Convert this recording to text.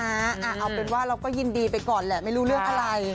เอาเป็นว่าเราก็ยินดีไปก่อนแหละไม่รู้เรื่องอะไร